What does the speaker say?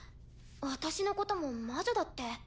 私のことも魔女だって。